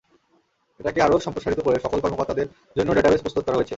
এটাকে আরও সম্প্রসারিত করে সকল কর্মকর্তাদের জন্য ডেটাবেজ প্রস্তুত করা হয়েছে।